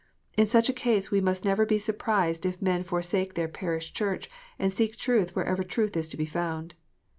In such a case we must never be surprised if men forsake their parish church, and seek truth wherever truth is to be found.